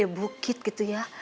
ya bukit gitu ya